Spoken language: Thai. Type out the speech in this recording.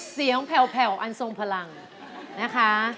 เสียงแผ่วอันทรงพลังนะคะ